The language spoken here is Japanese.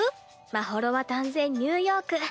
まほろは断然ニューヨーク。